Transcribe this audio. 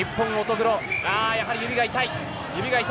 黒やはり指が痛い。